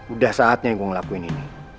udah saatnya gue ngelakuin ini